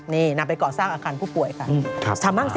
นี่นำไปก่อสร้างอาคารผู้ป่วยค่ะ